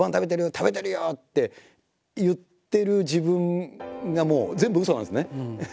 「食べてるよ」って言ってる自分がもう全部うそなんですね。